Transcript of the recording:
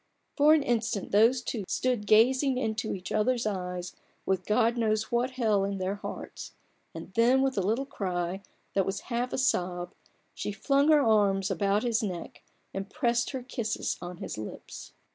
For an instant those two stood gazing into each other's eyes with God 34 A BOOK OF BARGAINS. knows what hell in their hearts, and then, with a little cry, that was half a sob, she flung her arms about his neck, and pressed her kisses on his lips.